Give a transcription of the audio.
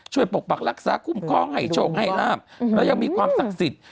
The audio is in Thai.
ช่วยปกปักรักษาคุมก้องให้โฉมให้ราบแล้วยังมีความศักดิ์สิทธิ์